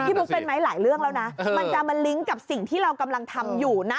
บุ๊คเป็นไหมหลายเรื่องแล้วนะมันจะมาลิงก์กับสิ่งที่เรากำลังทำอยู่นะ